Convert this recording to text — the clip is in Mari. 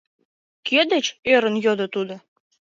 — Кӧ деч? — ӧрын йодо тудо.